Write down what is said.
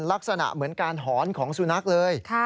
ลักษณะเหมือนการหอนของสุนัขเลย